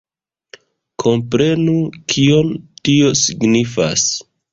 Komprenu, kion tio signifas!